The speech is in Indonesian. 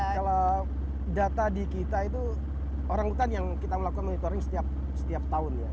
kalau data di kita itu orang hutan yang kita melakukan monitoring setiap tahun ya